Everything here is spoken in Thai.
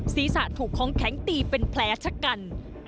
ศีรษะถูกของแข็งตีเป็นแผลชะกัน